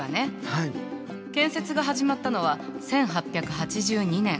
建設が始まったのは１８８２年。